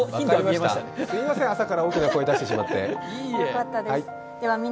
・すいません、朝から大きな声、出してしまって。